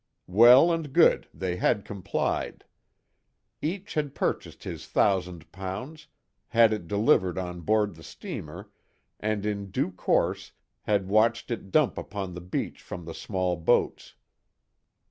Well and good, they had complied. Each had purchased his thousand pounds, had it delivered on board the steamer, and in due course, had watched it dumped upon the beach from the small boats.